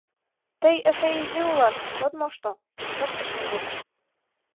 — Тый эше изи улат, от мошто, — шоктыш Ленук.